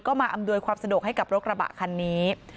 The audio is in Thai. ก็มาอำนวยความสะดวกให้กับรถกระบะคันนี้